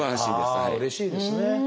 ああうれしいですね。